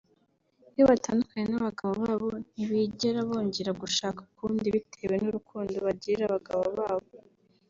Iyo batandukanye n’abagabo babo ntibigera bongera gushaka ukundi bitewe n’urukundo bagirira abagabo babo